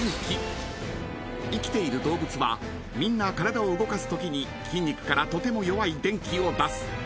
［生きている動物はみんな体を動かすときに筋肉からとても弱い電気を出す］